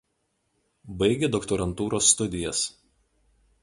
Baigė doktorantūros studijas.